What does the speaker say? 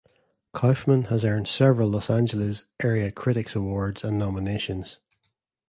Kaufman has earned several Los Angeles area critics' awards and nominations.